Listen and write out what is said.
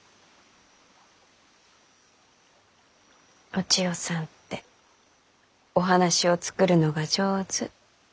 お千代さんってお話を作るのが上手。